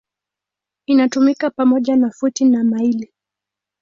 Inatumika pamoja na futi na maili.